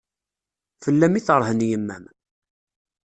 Fell-am i terhen yemma-m.